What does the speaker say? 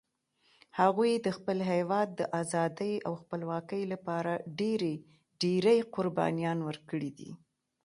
هغوی د خپل هیواد د آزادۍ او خپلواکۍ لپاره ډېري قربانيان ورکړي دي